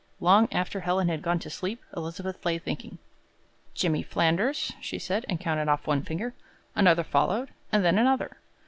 Long after Helen had gone to sleep, Elizabeth lay thinking. "Jimmy Flanders," she said, and counted off one finger; another followed, and then another.